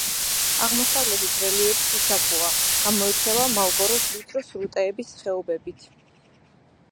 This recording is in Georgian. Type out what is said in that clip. აღმოსავლეთით რელიეფი ციცაბოა, გამოირჩევა მარლბოროს ვიწრო სრუტეების ხეობებით.